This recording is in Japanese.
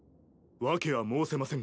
訳は申せませんが。